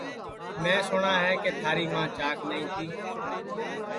میں سُٹؔا ہے کہ تھاری ماں چاک نائی تی